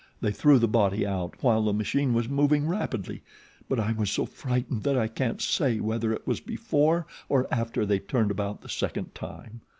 They threw the body out while the machine was moving rapidly; but I was so frightened that I can't say whether it was before or after they turned about the second time.